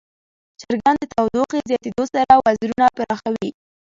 چرګان د تودوخې زیاتیدو سره وزرونه پراخوي.